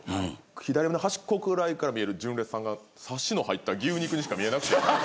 左目の端っこくらいから見える純烈さんがサシの入った牛肉にしか見えなくて。